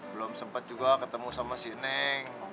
belum sempat juga ketemu sama si neng